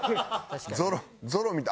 ゾロゾロみたい。